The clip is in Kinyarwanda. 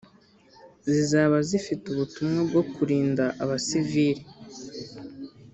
zizaba zifite ubutumwa bwo kurinda abasivili